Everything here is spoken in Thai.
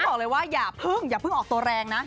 ต้องบอกเลยว่าอย่าเพิ่งอย่าเพิ่งออกตัวแรงนะ